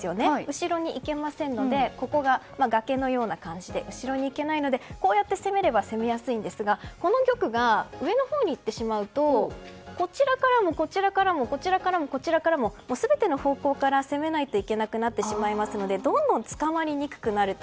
後ろに行けませんので崖のような感じで後ろに行けないので攻めやすいんですがこの玉が上のほうに行ってしまうとこちらからも、こちらからも全ての方向から攻めないといけなくなってしまいますのでどんどんつかまりにくくなると。